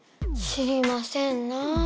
知りませんなあ。